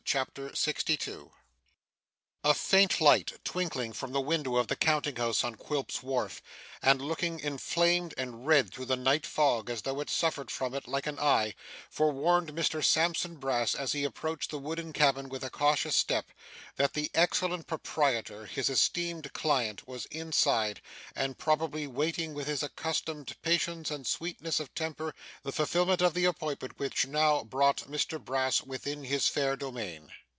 CHAPTER 62 A faint light, twinkling from the window of the counting house on Quilp's wharf, and looking inflamed and red through the night fog, as though it suffered from it like an eye, forewarned Mr Sampson Brass, as he approached the wooden cabin with a cautious step, that the excellent proprietor, his esteemed client, was inside, and probably waiting with his accustomed patience and sweetness of temper the fulfilment of the appointment which now brought Mr Brass within his fair domain.